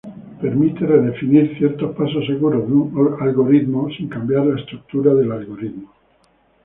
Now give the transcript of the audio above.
Permite redefinir ciertos pasos seguros de un algoritmo sin cambiar la estructura del algoritmo.